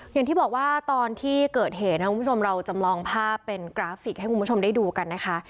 อย่างที่บอกว่าตอนที่เกิดเหตุนะคุณผู้ชมเราจำลองภาพเป็นกราฟิกให้คุณผู้ชมได้ดูกันนะคะ